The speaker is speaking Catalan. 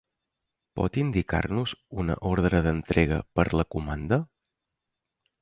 Pot indicar-nos una ordre d'entrega per la comanda?